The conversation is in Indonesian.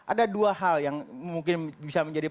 ada dua hal yang mungkin bisa menjadi